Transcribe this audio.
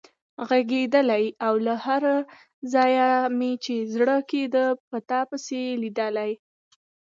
غږېدلای او له هر ځایه مې چې زړه کېده په تا پسې لیدلی.